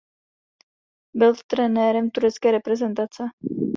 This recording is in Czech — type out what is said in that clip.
Byl trenérem turecké reprezentace.